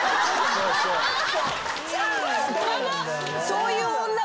そういう女。